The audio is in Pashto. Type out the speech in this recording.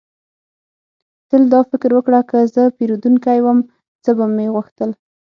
تل دا فکر وکړه: که زه پیرودونکی وم، څه به مې غوښتل؟